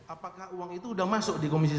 apakah uang itu sudah masuk di komisi satu